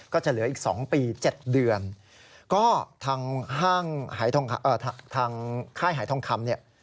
ก็จะเหลืออีก๒ปี๗เดือนก็ทางห้างทางค่ายหายทองคำเนี่ย